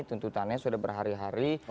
tuntutannya sudah berhari hari